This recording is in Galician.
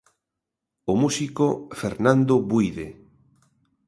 O músico Fernando Buíde.